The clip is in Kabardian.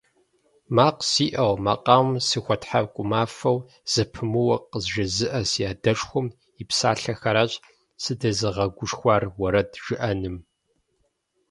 Макъ сиӀэу, макъамэм сыхуэтхьэкӀумафӀэу зэпымыууэ къызжезыӀэ си адэшхуэм и псалъэхэращ сытезыгъэгушхуар уэрэд жыӀэным.